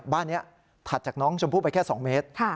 บ้านนี้ถัดจากน้องชมพู่ไปแค่๒เมตร